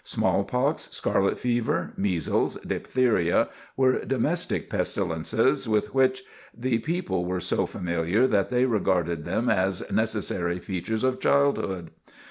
Smallpox, scarlet fever, measles, diphtheria, were domestic pestilences with which the people were so familiar that they regarded them as necessary features of childhood.